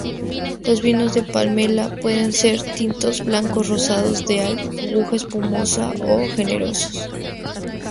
Los vinos de Palmela pueden ser tintos, blancos, rosados, de aguja, espumosos o generosos.